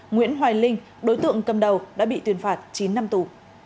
nguyễn hoài linh đối tượng cầm đầu đã bị tuyên phạt chín năm tù